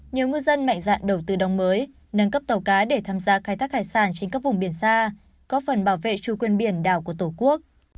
nhiều ngư dân mạnh dạn đầu tư đồng mới nâng cấp tàu cá để tham gia khai thác hải sản trên các vùng biển xa có phần bảo vệ chủ quyền biển đảo của tổ quốc